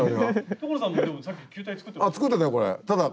所さんもでもさっき球体作ってましたよね？